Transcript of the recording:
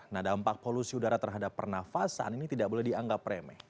nah dampak polusi udara terhadap pernafasan ini tidak boleh dianggap remeh